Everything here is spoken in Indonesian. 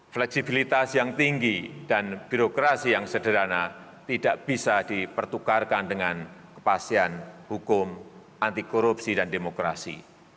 fleksibilitas yang tinggi dan birokrasi yang sederhana tidak bisa dipertukarkan dengan kepastian hukum anti korupsi dan demokrasi